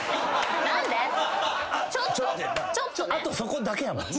あとそこだけやもんな。